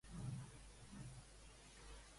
Què talava un arbre?